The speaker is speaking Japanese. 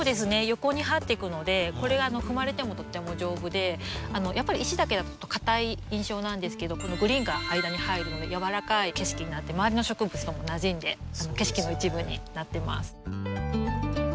横にはってくのでこれ踏まれてもとっても丈夫でやっぱり石だけだとかたい印象なんですけどこのグリーンが間に入るのでやわらかい景色になって周りの植物ともなじんで景色の一部になってます。